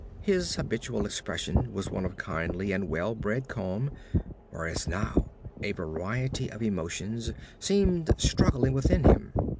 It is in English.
His habitual expression was one of kindly and well bred calm, whereas now a variety of emotions seemed struggling within him.